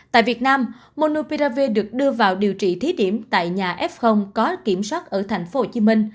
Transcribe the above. tại việt nam monupiravir được đưa vào điều trị thí điểm tại nhà f có kiểm soát ở tp hcm